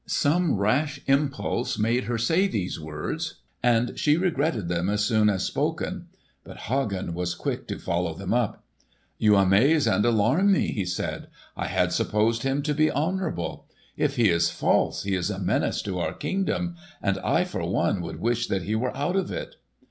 Some rash impulse made her say these words, and she regretted them as soon as spoken. But Hagen was quick to follow them up. "You amaze and alarm me!" he said. "I had supposed him to be honourable. If he is false he is a menace to our kingdom, and I for one would wish that he were out of it."